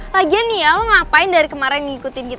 lagian nih ya lo ngapain dari kemarin ngikutin kita